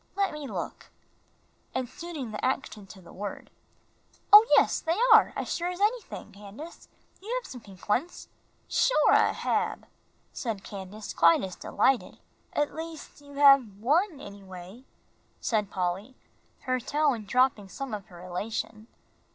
"Let me look," and suiting the action to the word. "Oh, yes, they are, as sure as anything, Candace; you have some pink ones." "Shore, I hab," said Candace, quite as delighted. "At least you have one, anyway," said Polly, her tone dropping some of her elation.